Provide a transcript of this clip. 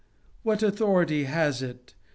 What authority has it ?